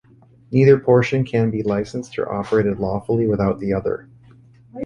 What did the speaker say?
Neither portion can be licensed or operated lawfully without the other.